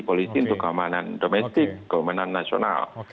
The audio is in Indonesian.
polisi untuk keamanan domestik keamanan nasional